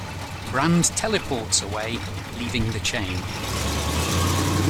Brand teleports away, leaving the chain.